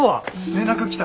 連絡来た？